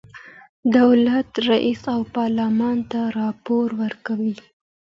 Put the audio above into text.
دولت رئیس او پارلمان ته راپور ورکوي.